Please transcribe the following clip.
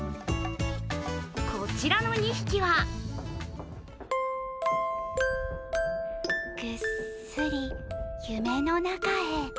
こちらの２匹はぐっすり、夢の中へ。